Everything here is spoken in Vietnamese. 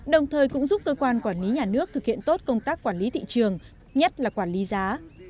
đồng thời cũng giúp cơ quan quản lý nhà nước thực hiện tốt công tác quản lý thị trường nhất là quản lý giá